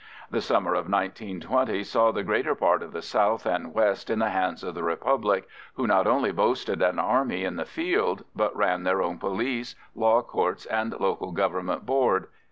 The summer of 1920 saw the greater part of the south and west in the hands of the Republic, who not only boasted an army in the field, but ran their own police, law courts, and Local Government Board.